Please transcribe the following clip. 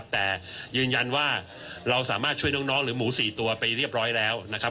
แต่ยืนยันว่าเราสามารถช่วยน้องหรือหมู๔ตัวไปเรียบร้อยแล้วนะครับ